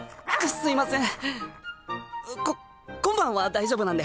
すいません。